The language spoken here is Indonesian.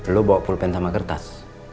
lu bawa pulpen sama kertas